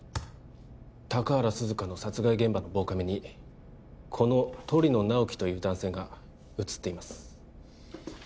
高原涼香の殺害現場の防カメにこの鳥野直木という男性が写っています